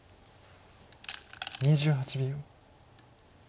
２８秒。